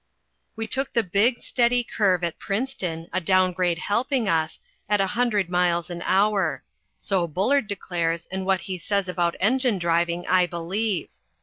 We took the big, steady curve at Princeton, a down grade helping us, at a hundred miles an hour so Bullard declares and what he says about engine driving I believe.